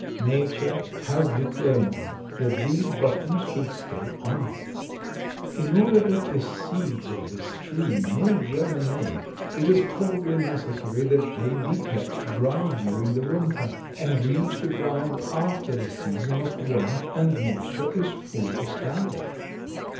Nature has determined that these buttons should stay on. In order that the needs of this tree may germinate, it is probably necessary that they be kept dry during the winter, and reach the ground after the season of warmth and moisture is fully established.